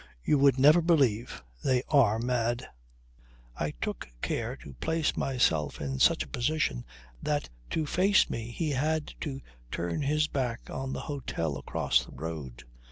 "You would never believe! They are mad!" I took care to place myself in such a position that to face me he had to turn his back on the hotel across the road.